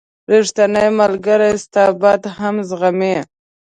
• ریښتینی ملګری ستا بد هم زغمي.